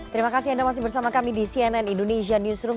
terima kasih anda masih bersama kami di cnn indonesia newsroom